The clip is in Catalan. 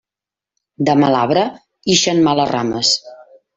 De mal arbre ixen males rames.